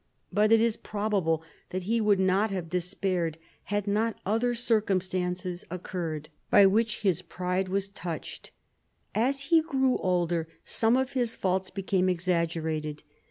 But it is probable that he would not have despaired, had not other circumstances occurred by which his pride was touched. As he grew older some of his faults became exaggerated.